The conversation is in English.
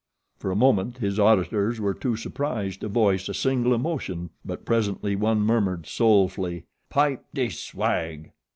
For a moment his auditors were too surprised to voice a single emotion; but presently one murmured, soulfully: "Pipe de swag!"